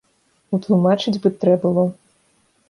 Утлумачыць бы трэ было.